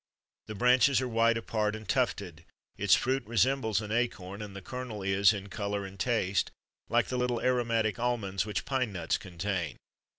The branches are wide apart and tufted; its fruit resembles an acorn, and the kernel is, in colour and taste, like the little aromatic almonds which pine nuts contain.